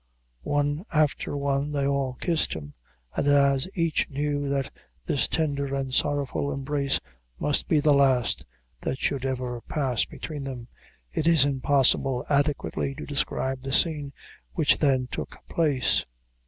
One after one they all kissed him, and as each knew that this tender and sorrowful, embrace must be the last that should ever pass between them, it is impossible adequately to describe the scene which then took place.